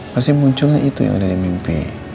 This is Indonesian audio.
pasti munculnya itu yang ada di mimpi